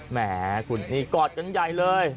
แหมคุณนี่กอดกันใหญ่เลย